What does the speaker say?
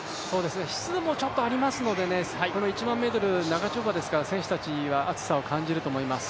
湿度もちょっとありますので、この１００００ｍ長丁場ですから選手たちは暑さを感じると思います。